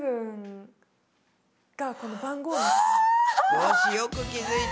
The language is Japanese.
よしよく気付いた。